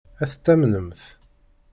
Ad t-tamnemt?